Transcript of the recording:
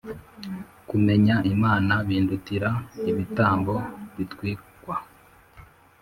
kumenya Imana bindutira ibitambo bitwikwa.